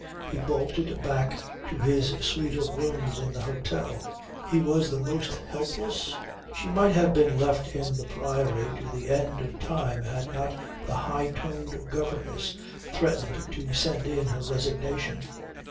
He bolted back to his suite of rooms in the hotel. He was the most helpless ... She might have been left in the Priory to the end of time had not the high toned governess threatened to send in her resignation.